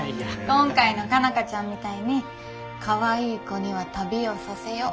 今回の佳奈花ちゃんみたいに「可愛い子には旅をさせよ」。